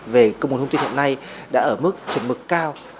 về công bằng thông tin hiện nay đã ở mức chuẩn mực cao